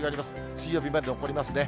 水曜日まで残りますね。